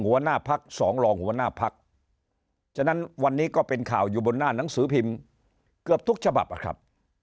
หัวหน้าพักสองรองหัวหน้าพักฉะนั้นวันนี้ก็เป็นข่าวอยู่บนหน้าหนังสือพิมพ์เกือบทุกฉบับอะครับ